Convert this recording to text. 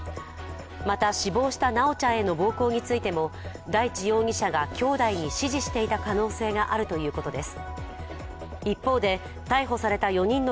また、死亡した修ちゃんへの暴行についても大地容疑者がきょうだいに指示していた可能性があるということです。